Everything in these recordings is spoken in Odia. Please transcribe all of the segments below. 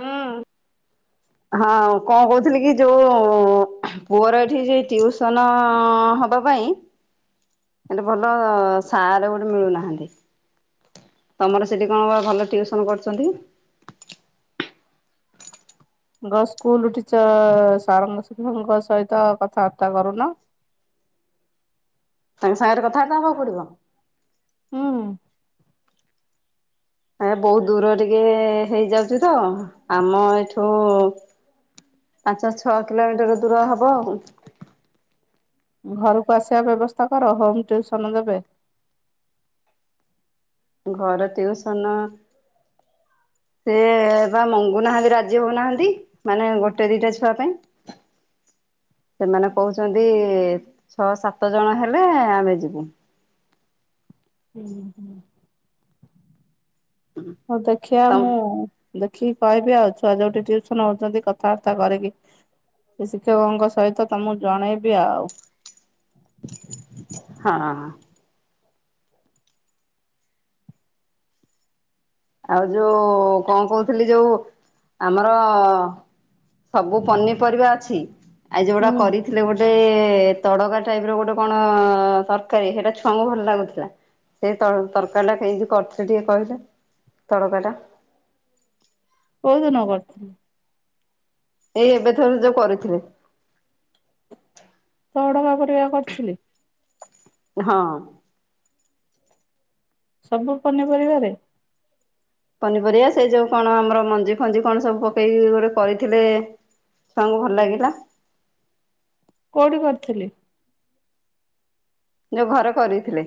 ହୁଁ ହଁ କଣ କହୁଥିଲି କି ଯୋଉ ପୁଅର ଏଠି ଯ ଟିଉସନ ହ ହବା ପାଇଁ। [inaudible] ଏଟେ ଭଲ ସାର ଗୋଟେ ମିଳୁନାହାନ୍ତି। ତମର ସେଠି କଣ ଭଲ ଟିୁସନ କରୁଛନ୍ତି। ସ୍କୁଲ ଟିଚର ସାରଙ୍ଗ ଶିକଷଙ୍କ ସହିତ କଥାବାର୍ତ୍ତା କରୁନ। ତାଙ୍କ ସାଙ୍ଗରେ କଥାଟା ହେବାକୁ ପଡିବ? ହୁଁ। ଏ ବହୁତ ଦୂର ଟିକେ ହେଇଯାଉଛୁ ତ ଆମ ଏଇଠୁ ପାଞ୍ଚ ଛଅ କିଲୋମିଟର ଦୂର ହେବ ଆଉ। ଘରକୁ ଆସିବା ବ୍ୟବସ୍ଥା କର ହୋମ ଟ୍ୟୁସନ ଦେବେ। ଘର ଟିଉସନ ସେ ବା ମଙ୍ଗୁନାହାନ୍ତି ରାଜି ହଉନାହାନ୍ତି ମାନେ ଗୋଟେ ଦିଟା ଛୁଆ ପାଇଁ। [inaudible] ସେମାନେ କହୁଛନ୍ତି ଛଅ ସାତ ଜଣ ହେଲେ ଆମେ ଯିବୁ। ହୁଁ ହୁଁ [inaudible] ହଉ ଦେଖିବା ତମ ମୁଁ। ଦେଖିକି କହିବି ଆଉ ଛୁଆ ଯୋଉଠି ଉସନ ହଉଛନ୍ତି କଥାବାର୍ତ୍ତା କରିକି ସେ ଶିକ୍ଷକଙ୍କ ସହିତ ତ ମୁକୁ ଜଣେଇବି ଆଉ। ହଁ। ଆଉ ଯୋଉ କଣ କହୁଥିଲି ଯୋଉ ଆମର। ସବୁ ପନିପରିବା ଅଛି ଆ ଯୋଉଗଟା ହୁଁ। କରିଥିଲେ ଗୋଟେ। ତଡକା ଟାଇପ ର ଗୋଟେ କଣ ତରକାରୀ ସେଇଟା ଛୁଆଙ୍କୁ ଭଲ ଲାଗୁଥିଲା। ସେଇ ତରକାରୀ ଟା କେମତି କରିଥିଲେ ଟିକେ କହିଲେ। ତଳକଟା। କୋଉ ଦିନ କରିଥିଲି? ଏଇ ଏବେଥର ଯୋଉ କରିଥିଲେ? ଶହ ଟଙ୍କା ପରିବା କରିଥିଲି! ହଁ। ସବୁ ପନିପରିବାରେ। ପନିପରିବା ସେଇ ଯୋଉ କଣ ଆମର ମଞ୍ଜି ଫଞ୍ଜି କଣ ସବୁ ପକେଇକି ଗୋଟେ କରିଥିଲେ ସାଙ୍କୁ ଭଲ ଲାଗିଲା। କୋଉଠି କରିଥିଲି? ଯୋଉ ଘରେ କରିଥିଲେ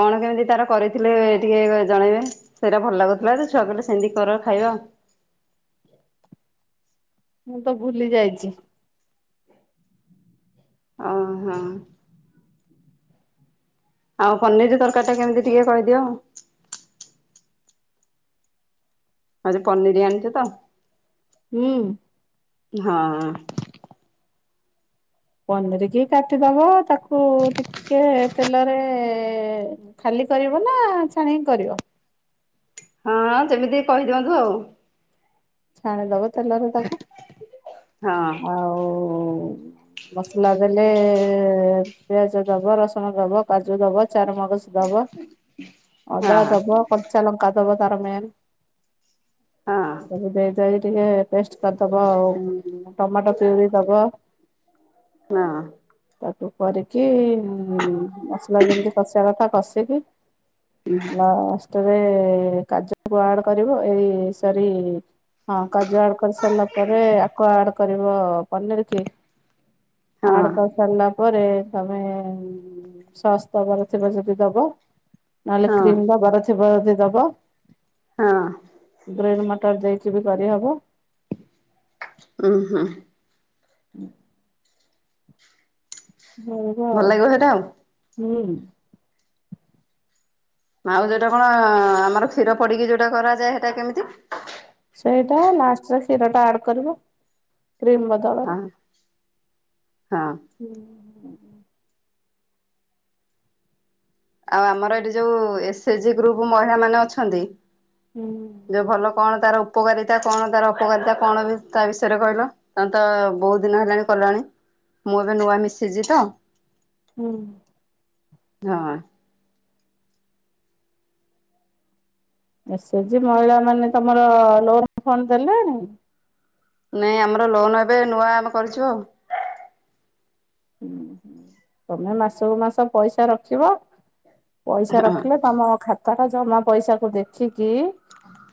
କଣ କେମିତି ତାର କରିଥିଲେ ଟିକେ ଜଣେଇବେ। ସେଇଟା ଭଲ ଲାଗୁଥିଲା ଯେ ଛୁଆ ବିଲଲେ ସେମିତି କର ଖାଇବା। ମୁଁ ତ ଭୁଲି ଯାଇଛି। ଓହୋ। ଆଉ ପନିର ତରକାରୀ ଟା କେମିତି ଟିକେ କହିଦିଅଉ। ଆଉ ସେ ପନିର ଆଣିଛ ତ। ହୁଁ। ହଁ। ପନିରିକି କାଟିଦବ ତାକୁ ଟିକେ ତେଲରେ। ଖାଲି କରିବ ନା ଛାଣିକି କରିବ ହଁ ସେମିତି କହିଦିଅନ୍ତୁ ଆଉ ଛାଣିଦବ ତେଲରେ ତାକୁ ହଁ ଆଉ ମସଲା ଦେଲେ ପିଆଜ ଦବ ରସୁଣ ଦବ କାଜୁ ଦବ ଚାରମଗ। ଦେବ ହଁ ଅଦା ଦେବ କରଚା ଲଙ୍କା ଦେବ ତାରମେ। ହଁ ସବ ଦେଇଦ ଟିକେ ପେଷ୍ଟ କରିଦବ ଆଉ ଟମାଟୋ ପିଉରି ଦବ। [inaudible] ହଁ। ତାକୁ କରିକି ମସଲା ଯେମିତି କଷିବା କଥା କଷିକି। ଲଷ୍ଟରେ କାଜ କୁଆଡ କରିବ ଏଇ ସରି। ହଁ କାଜୁ ଆଡ୍ କରି ସାରିଲା ପରେ ଆକୁ ଆଡ କରିବ ପନିର କି। ହଁ ଆଡ଼କାସରଲାା ପରେରେ ତମେ ସସ୍ ଦବାର ଥିବ ଯଦି ଦବ ନହେଲେ ହଁ। କ୍ରିମ ଦବାର। ସେ ବଦ ଦବ। ହଁ। ଗ୍ରନ୍ ମଟର ଦେଇକି ବି କରିହବ। ଓ ହୋ। ହୁଁ। ହଗ ଭଲ ଲାଗିବ ସେଇଟା ଆଉ। ହୁଁ। ମାଉ ଯୋଉଟା କଣ ଆମର କ୍ଷୀର ପଡିକି ଯୋଉଟା କରାଯାଏ ସେଟା କେମିତି ସେଇଟାଷ୍ଟରେ କ୍ଷୀର ଟା ଆଡ କରିବ କ୍ରିମ ବ। ହଁ ଳରେ ହଁ। ହୁଁ। ଆଉ ଆମର ଏଠି ଯୋଉ ଏସେଏଚଜି ଗ୍ରୁପ ମହିଳା ମାନେ ଅଛନ୍ତି ହୁଁ। ଯୋଉ ଭଲ କଣ ତାର ଉପକାରିତା କଣ ତାର ଅ ପକାରିତା କଣ ବି ତା ବିଷୟରେ କହିଲ। ତମେ ତ ବହୁତ ଦିନ ହେଲାଣି କଲଣି ମୁଁ ଏବେ ନୂଆ ମିଶିଛି ତ। ହୁଁ। ହଁ। ଏସେ ଏଚ୍ ଜି ମହିଳା ମାନେ ତମର ଲୋନ ଫଣ୍ଡ ଦେଲେଣି। ନାଇଁ ଆମର ଲୋନ୍ ଏବେ ନୂଆ ଆମେ କରିଛୁ ଆଉ ହୁଁ ହୁଁ ତମେ ମାସକୁ ମାସ ପଇସା ରଖିବ। ପଇସା ହଁ ରଖିଲେ ତମ ଖାତା ଟା ଜମା ପଇସା କୁ ଦେଖିକି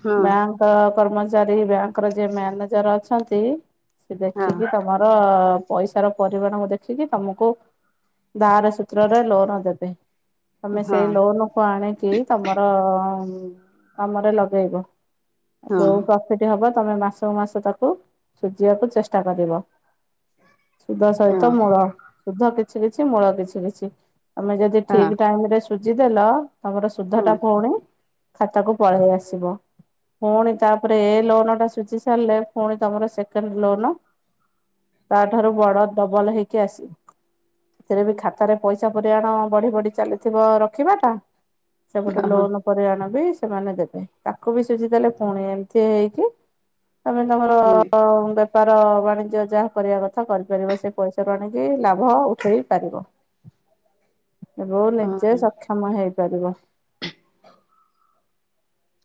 ହଁ ବ୍ୟାଙ୍କକୁ କ କର୍ମଚାରୀ ବ୍ୟାଙ୍କର ଯିଏ ମ୍ୟାନେଜର ଅଛନ୍ତି ସେ ହଁ ଦେଖିକି ତମ। ପର ପଇସାର ପରିମାଣ ମୋତେ। ରଖିକି ତମକୁ ଧାର୍ ସୂତ୍ରରେ ଲୋନ ଦେବେ ତମେ ହଁ ସେଇ ଲୋନ। ପାକୁ ଆଣିକି ତମର କାମରେ ଲଗେଇବ ହଁ ଯୋଉ ହଁ। ସେଠି ହବ ତମେ ମାସକୁ ମାସ ତାକୁ ସୁଝିବାକୁ ଚେଷ୍ଟା କରିବ ସୁଦ ସହ ହଁ ମୂଳ ଶୁଧ କିଛି କିଛି ମୂଳ କିଛି କିଛି ଆମେ ଯଦି ଠିକ ହଁ ଟାଇମ ରେ ସୁଜି ଦେଲ ତମର ସୁଧ ଟା ପୁଣି ଖାତାକୁ ପଳେଇ ଆସିବ। ପୁଣି ତାପରେ ଏ ଲୋନ ଟା ସୁଝି ସାରିଲେ ପୁଣି ତମର ସେକେଣ୍ଡ ଲୋନ। ତା ଠାରୁ ବଡ ଡବଲ ହେଇକି ଆସି ସେଥିରେ ବି ଖାତାରେ ପଇସା ପରିମାଣ ବଢି ବଢି ଚାଲିଥିବ ରଖିବାଟା। ସେପଟେ ହଁ ଲୋନ ପରିମାଣ ବି ସେମାନେ ଦେବେ ତାକୁ ବି ସୁୁଝିଦେଲେ ପୁଣି ଏମିତି ହେଇକି ତମେ ତମର ହଁ। ବେପାର ବାଣିଜ୍ୟ ଯାହା କରିବା କଥା କରିପାରିବ ସେ ପଇସାକୁ ଆଣିକି ଲାଭ ଉଠେଇ ପାରିବ ଏବଂ ନିଜେ ହଁ ସକ୍ଷମ ସମୟ ହେଇପାରିବ।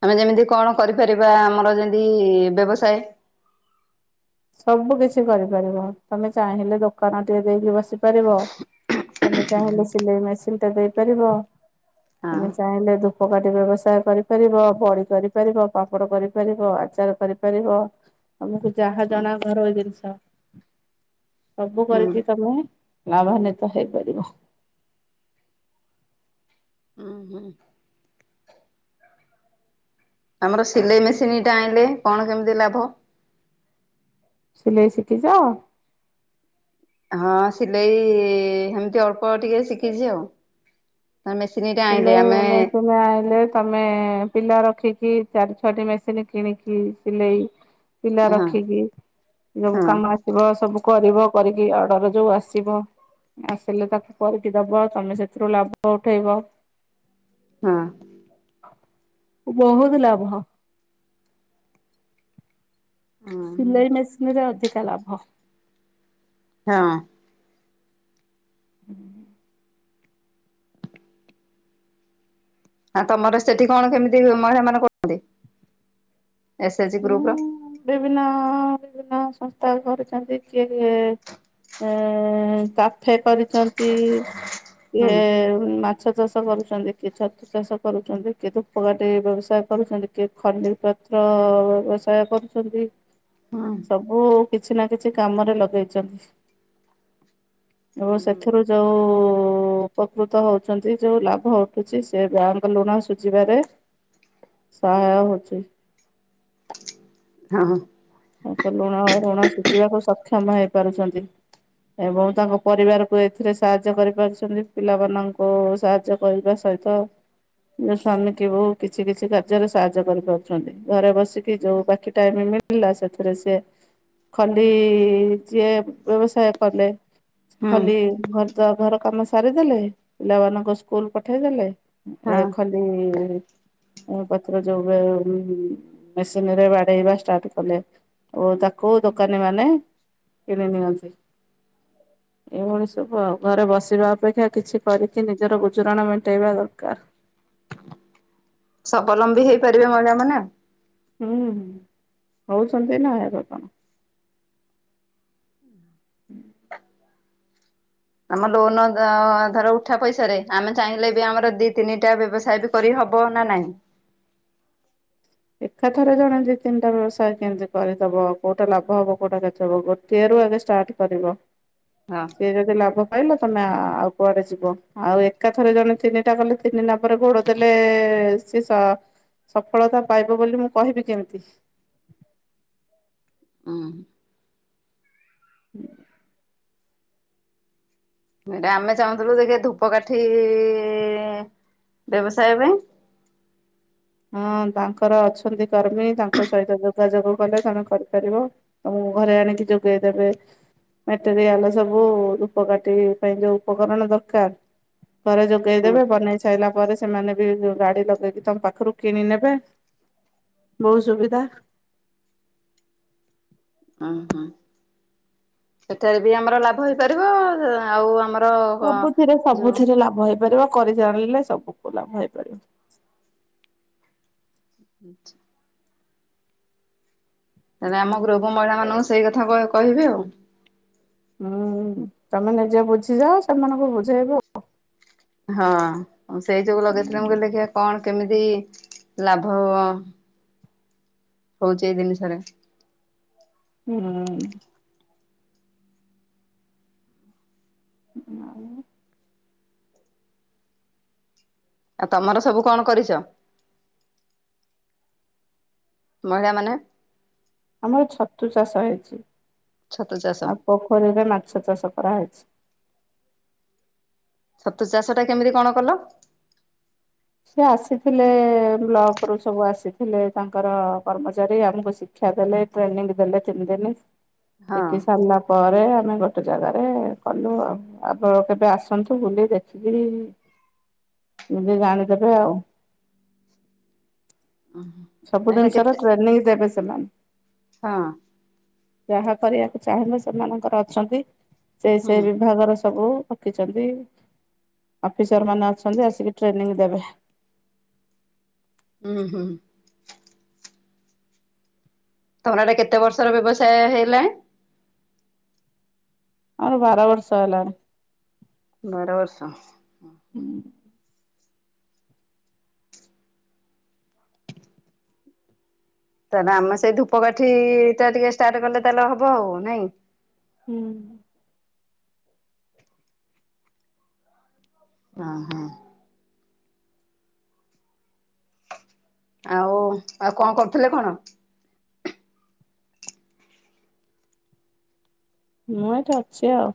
ଆମେ ଯେମିତି କଣ କରିପାରିବା ଆମର ଯେମିତି ବ୍ୟବସାୟ। ସବୁ କିଛି କରିପାରିବ ତମେ ଚାହିଁଲେ ଦୋକାନ ଟିକେ ଦେଇକି ବସି ପାରିବ। ତମେ ଚାହିଁଲେ ସିଲେଇ ମେସିନ୍ ଟା ଦେଇପାରିବ ହଁ ତମେ ଚାହିଁଲେ ଦୁଖ ଧୂପକାଠି ବ୍ୟବସାୟ କରିପାରିବ ବଡି ପାରିପାରିବ ପାମ୍ପଡ଼ କରିପାରିବ ଆଚାର କରିପାରିବ। ତମକୁ ଯାହା ହୁଁ ଜଣା ଘରୋଇ ଜିନିଷ ସବୁ ହୁଁ କରିକି ତମେ ଲାଭନ୍ୱିତ ହେଇପାରିବ। ହୁଁ ହୁଁ ଆମର ସିଲେଇ ମେସିନ୍ ଟା ଆଣିଲେ କଣ କେମିତି ଲାଭ? ସିଲେଇ ଶିଖିଛ। ହଁ ସିଲେଇ ସେମିତି ଅଳ୍ପ ଟିକେ ଶିଖିଛି ଆଉ ନା ମେସିିନିଟା ସ ଆଇଲେ [inaudible] ତମେ ପିଲା ରଖିକି ଚାରି ଛଅଟି ମେସିନି କିଣିକି ସିଲେଇ ପିଲା ହଁ ରଖିକି ସବୁ ହଁ କାମ ଥିବ ସବୁ କରିବ କରିକି ଅର୍ଡର ଯୋଉ ଆସିବ। ଆସିଲେ ତାକୁ କରିକି ଦବ ତମେ ସେଥିରୁ ଲାଭ ଉଠେଇବ। ହଁ ବହୁତୁ ଲାଭ। ସିଲେଇ ମେସିନିରେ ଅଧିକା ଲାଭ। ହଁ ହୁଁ ହ ତମର ସେଠି କଣ କେମିତି ମହିଳା ମାନେ କରୁଛନ୍ତି ଏସେ ଏଚଜି ହୁଁ ଗ୍ରୁପର ବିଭିନ୍ନ ବିଭିନ୍ନ ସଂସ୍ଥା କରିଛନ୍ତି କିଏ? ଉ କାଫେ କରିଛନ୍ତି ଏ ହୁଁ ହୁଁ। ମାଛ ଚାଷ କରୁଛନ୍ତି କିଏ ଛତୁ ଚାଷ କରୁଛନ୍ତି କିଏ ଧୂପକାଠି ବ୍ୟବସାୟ କରୁଛନ୍ତି କିଏ ଖଲି ପତ୍ର ବ୍ୟବସାୟ କରୁଛନ୍ତି ସବୁ। କିଛି ନା କିଛି କାମରେ ଲଗେଇଛନ୍ତି ହଁ ଏବଂ ସେଥିରୁ ଯଉ ଉପକୃତ ହଉଛନ୍ତି ଯୋଉ ଲାଭ ଉଠୁଛି ସେ ବ୍ୟାଙ୍କ ଋଣ ସୁଝିବାରେ ସହାୟ ହଉଛି। ହଁ। ଆ ତ ଲୁଣ ଓ ଋଣ ସୁଝିବାକୁ ସକ୍ଷମ ହେଇପାରୁଛନ୍ତି। ଏବଂ ତାଙ୍କ ପରିବାରକୁ ଏଥିରେ ସାହାଯ୍ୟ କରିପାରୁିଛନ୍ତି ପିଲାମାନଙ୍କୁ ସାହାଯ୍ୟ କରିବା ସହିତ ଯୋଉ ସ୍ୱାମୀ କି ହଉ କିଛି କିଛି କାର୍ଯ୍ୟରେ ସାହାଯ୍ୟ କରିପାରୁଛନ୍ତି ଘରେ ବସିକି ଯେଉଁ ବାକି ଟାଇମ ମିଳ ଇଲା ସେଥିରେ ସେ ଖଲି ଯିଏ ବ୍ୟବସାୟ କଲେ। ଖଲି ଘରଦ୍ବାର କାମ ସାରିଦେଲେ ପିଲାମାନଙ୍କୁ ସ୍କୁଲ ପଠେଇଦେଲେ। ଏ ହଁ ଖଲ ଉମ ଉଁ ପତ୍ର ଯୋଉ ବେଳେ ଉଁ ମେସିନ ରେ ବାଡେଇବା ଷ୍ଟାର୍ଟ କଲେ ଓ ତାକୁ ଦୋକାନୀ ମାନେ କିଣି ନିଅନ୍ତି। ଏଇଭଳି ସବୁ ଆଉ ଘରେ ବସିବା ଅପେକ୍ଷା କିଛି କରିକି ନିଜର ଗୁଜୁରାଣ ମେଣ୍ଟେଇବା ଦରକାର। ସ୍ୱବଲମ୍ବୀ ହେଇପାରିବେ ମହିଳା ମାନେ। ହୁଁ ହଉଛନ୍ତି ନା ହେବେ କଣ। [inaudible] ଆମ ଲୋନ ଅ ଧର ଉଠା ପଇସା ରେ ଆମେ ଚାହିଁଲେ ବି ଆମର ଦିଇ ତିନିଟା ବ୍ୟବସାୟ ଦୁ କରି ହବ ନା ନାହିଁ। ଏକାଥରେ ଜଣେ ଦିଇ ତିନିଟା ବ୍ୟବସାୟ କେମିତି କରିଦେବ କୋଉଟା ଲାଭ ହବ କୋଉଟା କ୍ଷତୀ ହବ ଗୋଟିଏରୁ ଆଗେ ଷ୍ଟାର୍ଟ କରିବ। ହଁ। ସେ ଯଦି ଲାଭ ପାଇଲ ତମେ ଆଉ କୁଆଡେ ଯିବ ଆଉ ଏକା ଥରେ ଜଣେ ତିନିଟା କଲେ ତିନି ନାବରେ ଗୋଡ଼ ଦେଲେ ସିଏ ସ ସଫଳତା ପାଇବ ବୋଲି ମୁଁ କହିବି କେମିତି। ଉଁ ହୁଁ। [unintelligible] ଏଟା ଆମେ ଚାହୁଁଥିଲୁ ଯେ କି ଧୂପକାଠିଈ ଈ ବ୍ୟବସାୟ ପାଇଁ। ହଁ ତାଙ୍କର ଅଛନ୍ତି କର୍ମୀ ତାଙ୍କ ସହିତ ଯୋଗାଯୋଗ କଲେ ତମେ କରିପାରିବ। ତମକୁ ଘରେ ଆଣିକି ଯୋଗେଇ ଦେବେ। ମେଟେରିଆଲ ସବୁ ଧୂପକାଠି ପାଇଁ ଯୋଉ ଉପକରଣ ଦରକାର ଘରେ ହୁଁ ଯୋଗେଇଦବେ ବନେଇ ସାଇଲା ପରେ ସେମାନେ ବି ଗ ଗାଡି ଲଗେଇକି ତମ ପାଖରୁ କିଣି ନେବେ, ବହୁତ ସୁବିଧା। ଉଁ ହୁଁ। ସେଥେରେ ବି ଆମର ଲାଭ ହେଇପାରିବ ଆଉ ଆମର ସବୁଥିରେ ଯୋଉ ସବୁଥିରେ ଲାଭ ହେଇପାରିବ କରି ଜାଣିଲେ ସବୁକୁ ଲାଭ ହେଇପାରିବ। [inaudible] ତାହେଲେ ଆମ ଗ୍ରୁପ ମହିଳା ମାନଙ୍କୁ ସେଇ କଥା କହିବେ ଆଉ। ଉଁ ତମେ ନିଜେ ବୁଝିଯାଅ ସେମାନଙ୍କୁ ବୁଝେଇବ। ହଁ ମୁଁ ସେଇ ଯୋଗୁ ଲଗେଇଥିଲି ମୁଁ କହିଲି ଦେଖିବା କଣ କେମିତି ଲାଭ ହଉଛି ଏଇ ଜିନିଷରେ। ଉଁ ହୁଁ। [unintelligible] ଆଉ ତମର ସବୁ କଣ କରିଛ? ମହିଳା ମାନେ। ଆମର ଛତୁ ଚାଷ ହେଇଛି। ଛତୁ ଚାଷ। ଆଉ ପୋଖରୀରେ ମାଛ ଚାଷ କରାହେଇଛି। ଛତୁ ଚାଷ ଟା କେମିତି କଣ କଲ? ସିଏ ଆସିଥିଲେ ବ୍ଲକ ରୁ ସବୁ ଆସିଥିଲେ ତାଙ୍କର କର୍ମଚାରୀ ଆମକୁ ଶି ଶିକ୍ଷା ଦେଲେ, ଟ୍ରେନିଂ ଦେଲେ ତିନି ଦିନି ହଁ ଶିଖି ସାରିଲା ପରେ ଆମେ ଗୋଟେ ଜାଗାରେ କଲୁ ଆଉ। ଆପଣ କେବେ ଆସନ୍ତୁ ବୁଲି ଦେଖିକିରି ନିଜେ ଜାଣିଦେବେ ଆଉ। ଉ ହୁଁ। ସବୁ ଜିନିଷ ର ଟ୍ରେନିଂ ଦେବେ ସେମାନେ। ହଁ। ଯାହା କରିବାକୁ ଚାହିଁଲେ ସେମାନଙ୍କର ଅଛନ୍ତି। ସେ ସେ ହୁଁ ବିଭାଗର ସବୁ ରଖିଛନ୍ତି, ଅଫିସର ମାନେ ଅଛନ୍ତି ଆସିକି ଟ୍ରେନିଂ ଦେବେ। ହଁ ହଁ। ତମର ଏଟା କେତେ ବର୍ଷର ବ୍ୟବସାୟ ହେଲାଣି? ଆମର ବାର ବର୍ଷ ହେଲାଣି। ବାର ବର୍ଷ। ହୁଁ। ତାହେଲେ ଆମେ ସେଇ ଧୂପକାଠି ଟା ଟିକେ ଷ୍ଟାର୍ଟ କଲେ ତାହେଲେ ହବ ଆଉ ନାଇଁ? ହୁଁ। ହଁ ହଁ। ଆଉ ଆଉ କଣ କରୁଥିଲେ କଣ? ମୁଁ ଏଇଠି ଅଛି ଆଉ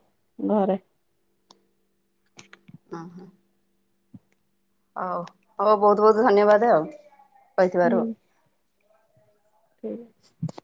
ଘରେ। ହଁ ହଁ। ହଉ ହଉ ବହୁତ ବହୁତ ଧନ୍ୟବାଦ ଆଉ କହିଥିବାରୁ। ହୁଁ ଠିକ୍ ଅଛି।